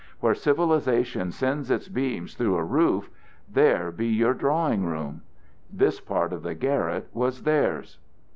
Where civilization sends its beams through a roof, there be your drawing room. This part of the garret was theirs.